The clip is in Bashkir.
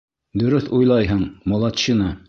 — Дөрөҫ уйлайһың, молодчина.